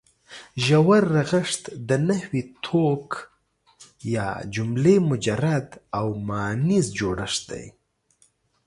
ژور رغښت د نحوي توک یا جملې مجرد او ماناییز جوړښت دی.